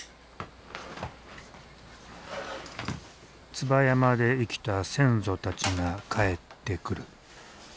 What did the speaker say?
椿山で生きた先祖たちが帰ってくる。